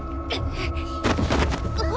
あっ